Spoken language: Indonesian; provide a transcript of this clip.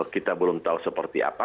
kita belum tahu seperti apa